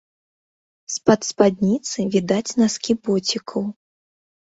З-пад спадніцы відаць наскі боцікаў.